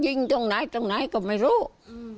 กังฟูเปล่าใหญ่มา